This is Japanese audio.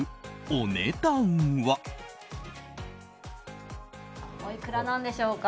おいくらなんでしょうか。